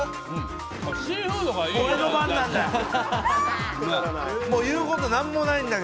俺の番なんだよ。